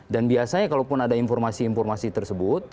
dan biasanya kalau pun ada informasi informasi tersebut